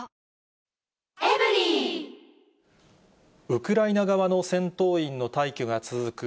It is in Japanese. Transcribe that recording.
ウクライナ側の戦闘員の退去が続く